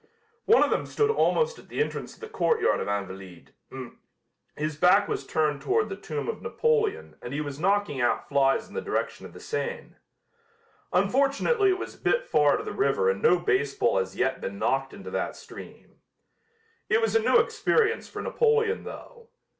One of them stood almost at the entrance of the courtyard of "Invalides." His back was turned toward the tomb of Napoleon and he was knocking out flies in the direction of the Seine. Unfortunately it was a bit far to the river and no baseball has yet been knocked into that stream. It was a new experience for Napoleon though.